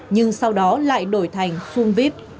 nhưng sau đó lại đổi thành zoomvip